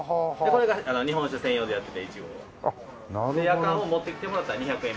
これが日本酒専用でやってて１合は。でやかんを持ってきてもらったら２００円引きっていう。